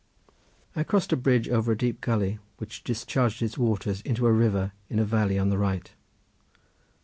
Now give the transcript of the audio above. I crossed a bridge over a deep gulley which discharged its waters into a river in a valley on the right.